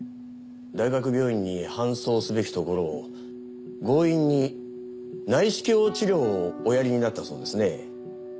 大学病院に搬送すべきところを強引に内視鏡治療をおやりになったそうですね。